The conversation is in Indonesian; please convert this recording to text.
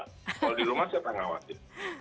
kalau di rumah siapa yang ngawasi